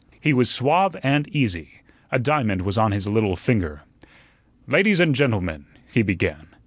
He was suave and easy. A diamond was on his little finger. "Ladies and gentlemen," he began.